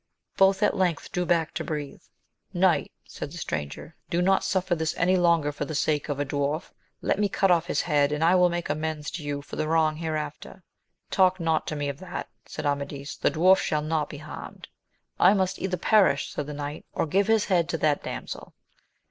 Both at length drew back to breathe. Knight, said the stranger, do not suffer this any longer for the sake of a dwarf : let me cut off his head, and I will make amends to you for the wrong hereafter. Talk not to me of that, said Amadis : the dwarf shall not be harmed. I must either perish, said the knight, or give his head to that damsel.